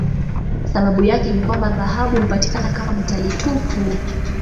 Sababu yake ni kwamba dhahabu hupatikana kama metali tupu.